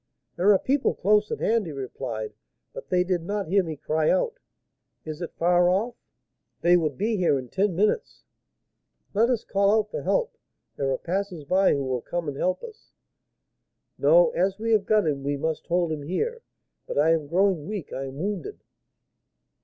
'There are people close at hand,' he replied; 'but they did not hear me cry out.' 'Is it far off?' 'They would be here in ten minutes.' 'Let us call out for help; there are passers by who will come and help us.' 'No, as we have got him we must hold him here. But I am growing weak, I am wounded.'